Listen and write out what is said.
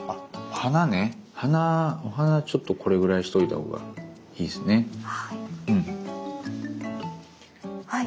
鼻お鼻ちょっとこれぐらいしといたほうがいいっすね。